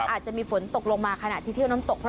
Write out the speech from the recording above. อาจจะมีฝนตกลงมาขณะที่เที่ยวน้ำตก